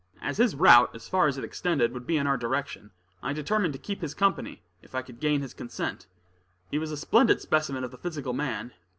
As his route, as far as it extended, would be in our direction, I determined to keep his company if I could gain his consent. He was a splendid specimen of the physical man.